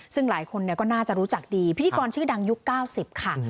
ซึ่งหลายคนก็น่าจะรู้จักดีพิธีกรชื่อดังยุค๙๐ค่ะ